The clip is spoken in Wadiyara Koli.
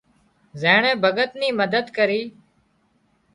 زينڻي بڳت ني مدد ڪري